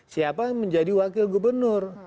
siapa yang menjadi wakil gubernur